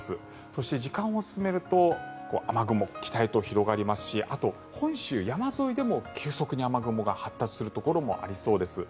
そして時間を進めると雨雲、北へと広がりますしあと、本州山沿いでも急速に雨雲が発達するところがありそうです。